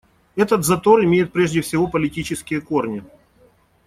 Этот затор имеет прежде всего политические корни.